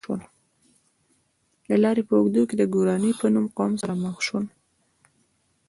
د لارې په اوږدو کې له ګوراني په نوم قوم سره مخ شول.